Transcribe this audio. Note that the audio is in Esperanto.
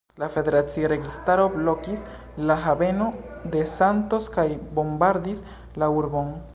La federacia registaro blokis la haveno de Santos kaj bombardis la urbon.